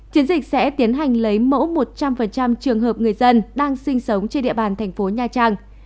chiến dịch sẽ tiến hành lấy mẫu một trăm linh trường hợp người dân đang sinh sống trên địa bàn thành phố nha trang